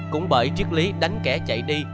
cũng bởi triết lý đánh kẻ chạy đi